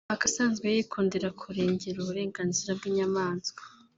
akaba asanzwe yikundira kurengera uburenganzira bw’inyamaswa